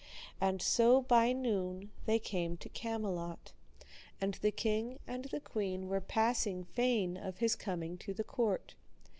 And so by noon they came to Camelot; and the king and the queen were passing fain of his coming to the court.